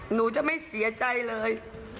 หนูจะไม่เสียใจเลย